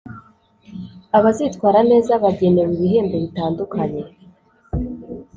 Abazitwara neza bagenewe ibihembo bitandukanye